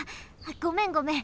ごめんごめん。